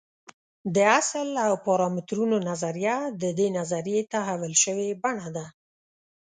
د اصل او پارامترونو نظریه د دې نظریې تحول شوې بڼه ده.